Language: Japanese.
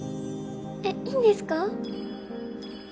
えっいいんですか？